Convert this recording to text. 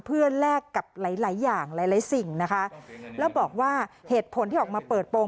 เพื่อแลกกับหลายหลายอย่างหลายหลายสิ่งนะคะแล้วบอกว่าเหตุผลที่ออกมาเปิดโปรง